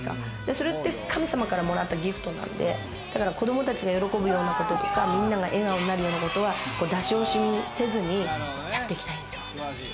それって神様からもらったギフトなんで、子どもたちが喜ぶようなこととか、みんなが笑顔になるようなことは出し惜しみせずにやっていきたいんですよ。